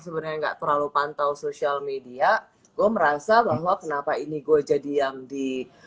sebenarnya nggak terlalu pantau sosial media gue merasa bahwa kenapa ini gue jadi yang di